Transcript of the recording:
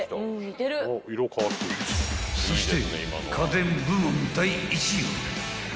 ［そして］